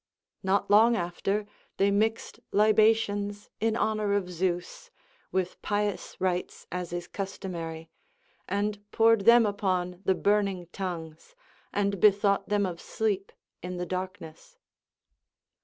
Not long after they mixed libations in honour of Zeus, with pious rites as is customary, and poured them upon the burning tongues, and bethought them of sleep in the darkness.